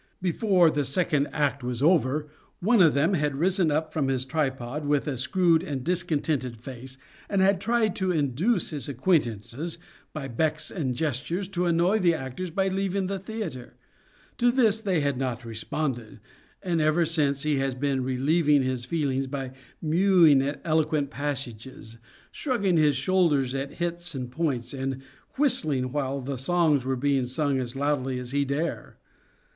Before the second act was over one of them had risen up from his tripod with a screwed and discontented face and had tried to induce his acquaintances, by becks and gestures, to annoy the actors by leaving SHAKESPEAREAN THEATRES 19 the theatre. To this they had not responded, and ever since he has been relieving his feelings by mewing at eloquent passages, shrugging his shoulders at hits and points, and whistling while the songs were being sung as loudly as he dare.